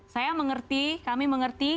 saya mengerti kami mengerti